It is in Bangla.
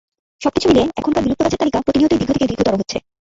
সবকিছু মিলিয়ে এখানকার বিলুপ্ত গাছের তালিকা প্রতিনিয়তই দীর্ঘ থেকে দীর্ঘতর হচ্ছে।